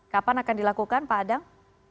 kapan akan dilakukan pak adang